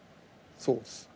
そうです。